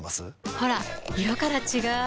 ほら色から違う！